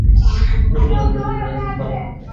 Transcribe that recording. যতক্ষণ না অ্যাম্বুলেন্স থেকে বের হয়ে পালানো না যায়।